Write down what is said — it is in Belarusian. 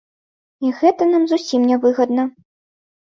І гэта нам зусім нявыгадна.